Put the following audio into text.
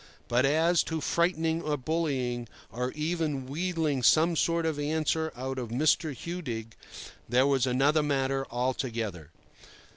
But as to frightening or bullying, or even wheedling some sort of answer out of Mr. Hudig, that was another matter altogether.